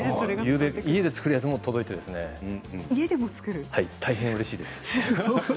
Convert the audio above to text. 作るやつも届いて大変うれしいです。